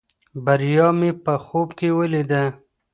بریا مې په خوب کې ولیده.